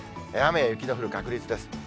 雨や雪の降る確率です。